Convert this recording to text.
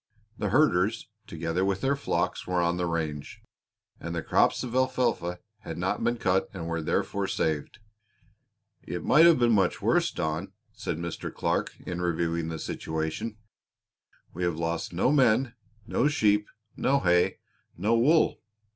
The herders, together with their flocks, were on the range; and the crops of alfalfa had not been cut and were therefore saved. "It might have been much worse, Don," said Mr. Clark in reviewing the situation. "We have lost no men, no sheep, no hay, no wool.